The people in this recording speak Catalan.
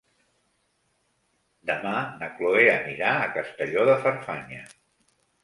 Demà na Cloè anirà a Castelló de Farfanya.